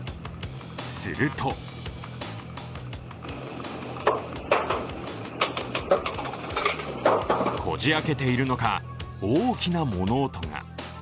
するとこじ開けているのか大きな物音が。